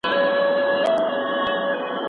څپه دې